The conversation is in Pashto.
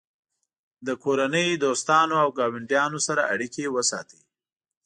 له کورنۍ، دوستانو او ګاونډیانو سره اړیکې وساتئ.